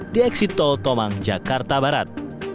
di eksit tol tomang jakarta barat